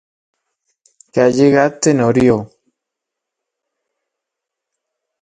Què ha al·legat Tenorio?